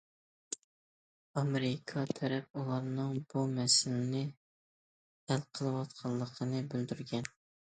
ئامېرىكا تەرەپ ئۇلارنىڭ بۇ مەسىلىنى ھەل قىلىۋاتقانلىقىنى بىلدۈرگەن.